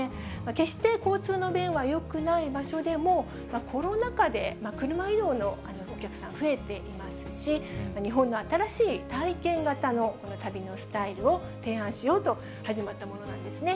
決して交通の便はよくない場所でも、コロナ禍で車移動のお客さん、増えていますし、日本の新しい体験型のこの旅のスタイルを提案しようと始まったものなんですね。